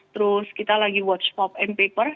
terus kita lagi watch pop and paper